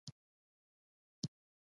ورته ویې ویل: ته غلې کېنه.